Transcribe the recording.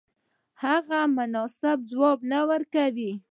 هغوی مناسب ځواب نه ورکاوه.